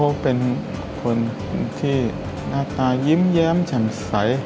เขาเป็นคนที่หน้าตายิ้มแย้มแจ่มใส